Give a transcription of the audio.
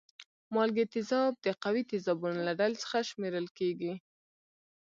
مالګې تیزاب د قوي تیزابونو له ډلې څخه شمیرل کیږي.